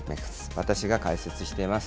私が解説しています。